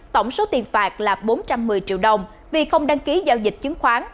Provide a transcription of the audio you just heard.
tổng số tiền phạt là bốn trăm một mươi triệu đồng vì không đăng ký giao dịch chứng khoán